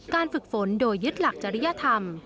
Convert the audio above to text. ฝึกฝนโดยยึดหลักจริยธรรม